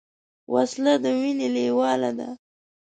وسله د وینې لیواله ده